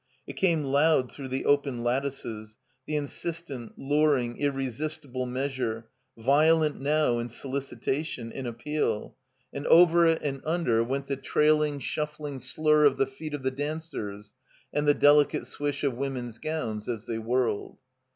It came loud through the open lattices, the insistent, luring, irresistible measure, violent now in solicitation, in appeal; and over it and under 369 THE COMBINED MAZE went the trailing, shuffling slur of the feet of the dancers and the delicate swish of women's gowns as they whirled.